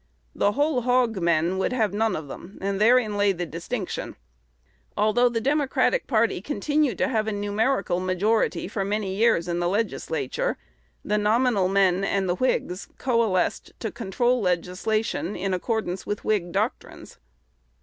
The "whole hog men" would have none of them, and therein lay the distinction. Although the Democratic party continued to have a numerical majority for many years in the Legislature, the nominal men and the Whigs coalesced to control legislation in accordance with Whig doctrines.